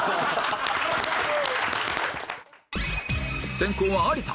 先攻は有田